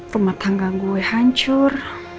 rumah tangga gue hancur